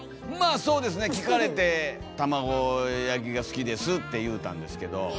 まあそうですね聞かれてたまご焼きが好きですって言うたんですけど。